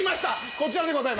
こちらでございます。